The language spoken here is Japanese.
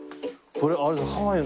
これ。